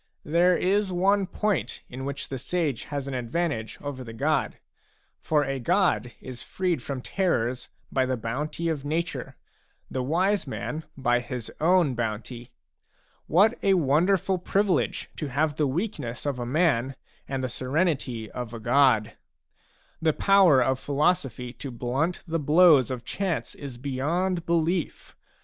There is one point in which the sage has an advantage over the god ; for a god is freed from terrors by the bounty of nature, the wise man by his own bounty. What a wonderful privilege, to have the weaknesses of a man and the serenity of a god ! The power of philosophy to blunt the blows of chance is beyond belief.